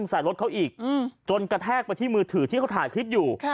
ใส่รถเขาอีกจนกระแทกไปที่มือถือที่เขาถ่ายคลิปอยู่